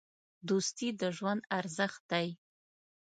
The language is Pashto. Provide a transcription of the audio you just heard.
دوستي د ژوند ارزښت دی.